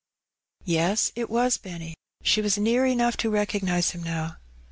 94 Heb Benny. Yes, it was Benny; she was near enougli to recognize him now.